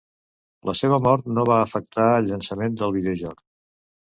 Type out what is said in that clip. La seva mort no va afectar el llançament del videojoc.